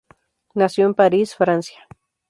Nació en París, Francia.